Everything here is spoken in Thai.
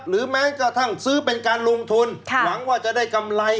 แม้กระทั่งซื้อเป็นการลงทุนหวังว่าจะได้กำไร